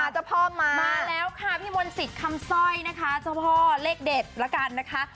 เจ้าพ่อมามาแล้วค่ะพี่มนต์สิทธิ์คำสร้อยนะคะเจ้าพ่อเลขเด็ดแล้วกันนะคะ